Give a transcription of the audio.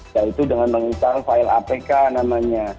yaitu dengan menginstal file apk namanya